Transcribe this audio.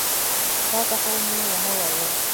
تا ته خو مې ونه ویل.